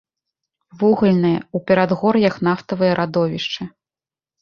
Вугальныя, у перадгор'ях нафтавыя радовішчы.